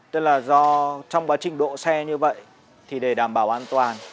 tức là do trong quá trình độ xe như vậy thì để đảm bảo an toàn